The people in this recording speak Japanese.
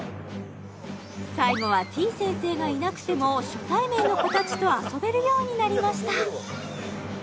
最後はてぃ先生がいなくても初対面の子たちと遊べるようになりました